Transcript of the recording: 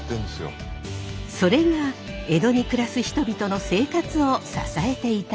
それが江戸に暮らす人々の生活を支えていたのです。